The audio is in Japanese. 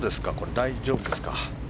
大丈夫ですか？